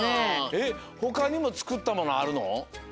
えっほかにもつくったものあるの？